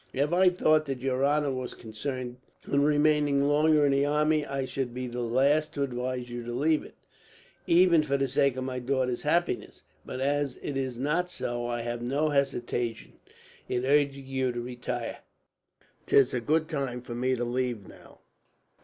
If I thought that your honour was concerned in remaining longer in the army, I should be the last to advise you to leave it, even for the sake of my daughter's happiness; but as it is not so, I have no hesitation in urging you to retire." "'Tis a good time for me to leave, now.